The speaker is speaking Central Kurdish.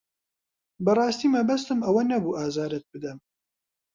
بەڕاستی مەبەستم ئەوە نەبوو ئازارت بدەم.